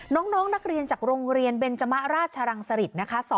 น้องนักเรียนจากโรงเรียนเบนจมะราชรังสริตนะคะ